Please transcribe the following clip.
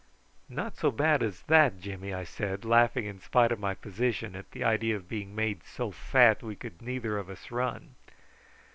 "Not so bad as that, Jimmy," I said, laughing in spite of my position at the idea of being made so fat that we could neither of us run.